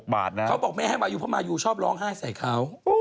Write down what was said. กระเทยเก่งกว่าเออแสดงความเป็นเจ้าข้าว